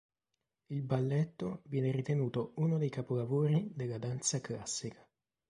Il balletto viene ritenuto uno dei capolavori della danza classica.